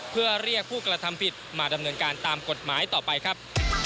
เพื่อเรียกผู้กระทำผิดมาดำเนินการตามกฎหมายต่อไปครับ